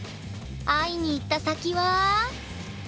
会いに行った先は。